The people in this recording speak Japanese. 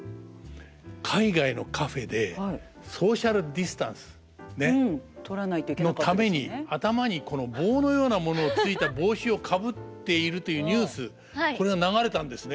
海外のカフェでソーシャルディスタンスのために頭にこの棒のようなものがついた帽子をかぶっているというニュースこれが流れたんですね。